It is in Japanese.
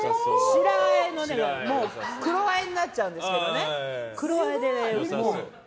白あえも黒あえになっちゃうんですけど。